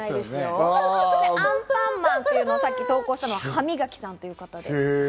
アンパンマンというのを投稿した方はハミガキサンさんいう方ですね。